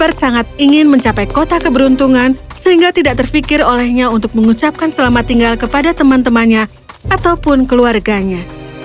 march sangat ingin mencapai kota keberuntungan sehingga tidak terfikir olehnya untuk mengucapkan selamat tinggal kepada teman temannya ataupun keluarganya